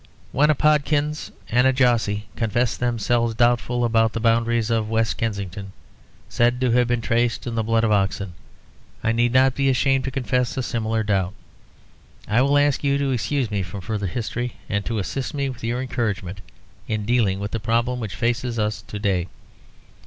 When a Podkins and a Jossy confess themselves doubtful about the boundaries of West Kensington (said to have been traced in the blood of Oxen), I need not be ashamed to confess a similar doubt. I will ask you to excuse me from further history, and to assist me with your encouragement in dealing with the problem which faces us to day.